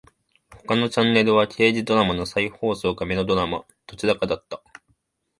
他のチャンネルは刑事ドラマの再放送かメロドラマ。どちらかだった。